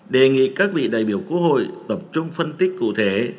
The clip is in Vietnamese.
đề nghị các vị đại biểu quốc hội tập trung phân tích cụ thể